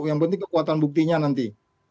yang penting kekuatan buktinya nanti